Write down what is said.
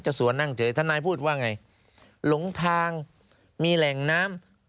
สวนนั่งเฉยทนายพูดว่าไงหลงทางมีแหล่งน้ำ